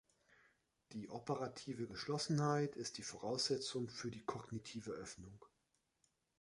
Die operative Geschlossenheit ist die Voraussetzung für die kognitive Öffnung.